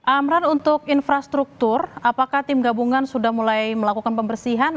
amran untuk infrastruktur apakah tim gabungan sudah mulai melakukan pembersihan